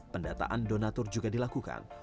pendataan donatur juga dilakukan